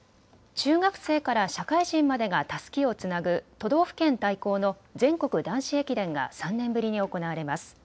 中学生から社会人までがたすきをつなぐ都道府県対抗の全国男子駅伝が３年ぶりに行われます。